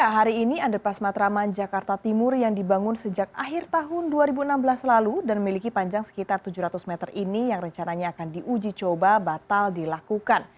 hari ini underpass matraman jakarta timur yang dibangun sejak akhir tahun dua ribu enam belas lalu dan memiliki panjang sekitar tujuh ratus meter ini yang rencananya akan diuji coba batal dilakukan